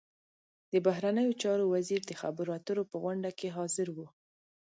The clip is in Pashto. د بهرنیو چارو وزیر د خبرو اترو په غونډه کې حاضر و.